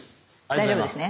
大丈夫ですね？